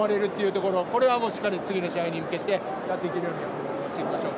ところこれは次の試合に向けてやっていけるようにしていきましょう。